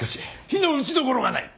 非の打ちどころがない。